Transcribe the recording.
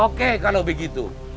oke kalau begitu